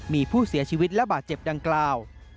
มีผู้เสียชีวิตและบาดเจ็บดังกล่าว